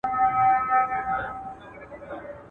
ستا پر تور تندي لیکلي کرښي وايي.